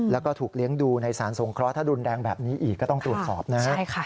แล้วก็ถูกเลี้ยงดูในสารสงเคราะห์ถ้ารุนแรงแบบนี้อีกก็ต้องตรวจสอบนะฮะ